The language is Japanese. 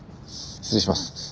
失礼します。